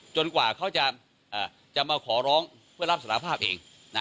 กว่าเขาจะมาขอร้องเพื่อรับสารภาพเอง